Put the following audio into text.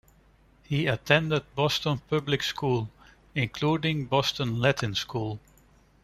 He attended Boston public schools, including Boston Latin School.